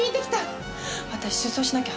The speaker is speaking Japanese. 私出走しなきゃ！